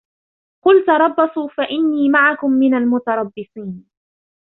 قُلْ تَرَبَّصُوا فَإِنِّي مَعَكُمْ مِنَ الْمُتَرَبِّصِينَ